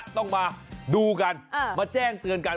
ต้องมาดูกันมาแจ้งเตือนกัน